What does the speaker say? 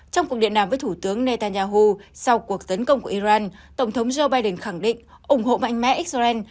trong cuộc điện đàm với thủ tướng netanyahu sau cuộc tấn công của iran tổng thống joe biden khẳng định ủng hộ mạnh mẽ israel